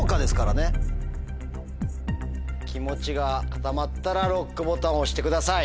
気持ちが固まったらＬＯＣＫボタンを押してください。